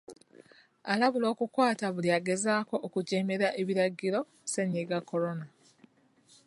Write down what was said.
Alabula okukwata buli agezaako okujeemera ebiragiro ssennyiga Corona.